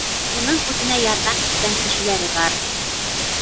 Уның үҙенә ярҙам иткән кешеләре бар.